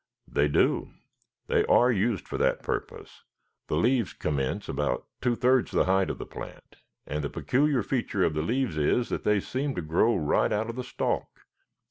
"They do. They are used for that purpose. The leaves commence about two thirds the height of the plant, and the peculiar feature of the leaves is that they seem to grow right out of the stalk."